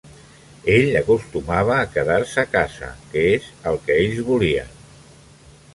Ell acostumava a quedar-se a casa, que és el que ells volien.